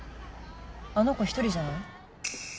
あの子１人じゃない？